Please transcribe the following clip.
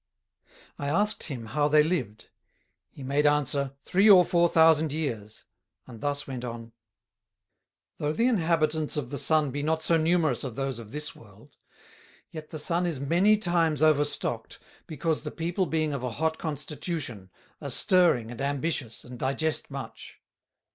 I asked him how they lived? he made answer, three or four thousand Years; and thus went on: "Though the Inhabitants of the Sun be not so numerous as those of this World; yet the Sun is many times over stocked, because the People being of a hot constitution are stirring and ambitious, and digest much."